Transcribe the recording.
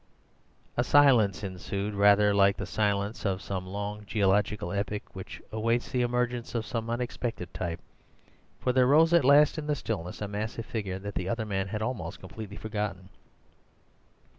A silence ensued, rather like the silence of some long geological epoch which awaits the emergence of some unexpected type; for there rose at last in the stillness a massive figure that the other men had almost completely forgotten.